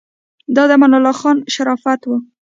دا د امان الله خان شرافت و.